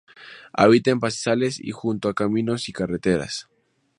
Habita en pastizales y junto a caminos y carreteras.